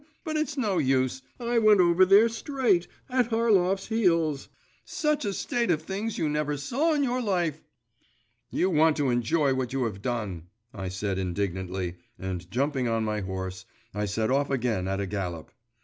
But it's no use.… I went over there, straight, at Harlov's heels.… Such a state of things you never saw in your life!' 'You want to enjoy what you have done,' I said indignantly, and, jumping on my horse, I set off again at a gallop.